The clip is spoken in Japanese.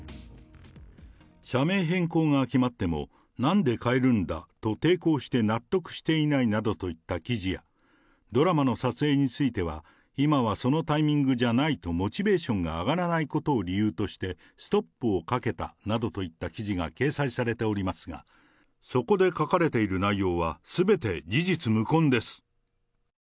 社名変更が決まっても、なんで変えるんだと抵抗して納得していないなどといった記事や、ドラマの撮影については今はそのタイミングじゃないとモチベーションが上がらないことを理由として、ストップをかけたなどといった記事が掲載されておりますが、そこで書かれている内容は、すべて事実無根です。